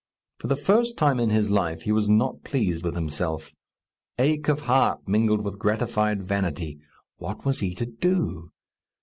For the first time in his life, he was not pleased with himself. Ache of heart mingled with gratified vanity. What was he to do?